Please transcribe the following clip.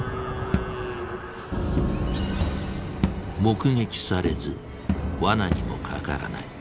目撃されずワナにもかからない。